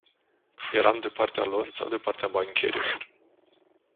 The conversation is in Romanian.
Eram de partea lor sau de partea bancherilor?